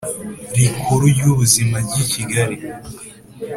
Rikuru ry ubuzima ry i kigali